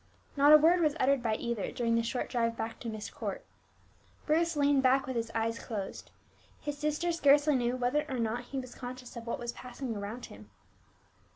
Not a word was uttered by either during the short drive back to Myst Court. Bruce leaned back with his eyes closed; his sister scarcely knew whether or not he were conscious of what was passing around him.